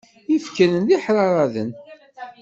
Ifekren d iḥraraden.